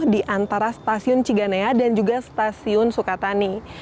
di antara stasiun ciganea dan juga stasiun sukatani